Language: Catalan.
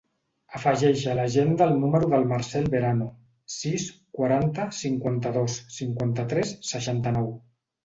Afegeix a l'agenda el número del Marcel Verano: sis, quaranta, cinquanta-dos, cinquanta-tres, seixanta-nou.